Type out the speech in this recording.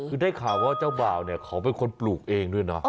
คือได้ข่าวว่าเจ้าบ่าวเนี่ยเขาเป็นคนปลูกเองด้วยนะ